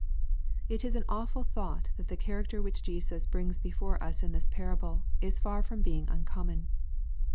It is an awful thought that the character which Jesus brings before us in this parable, is far from being un common.